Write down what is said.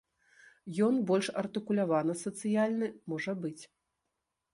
Ён больш артыкулявана сацыяльны, можа быць.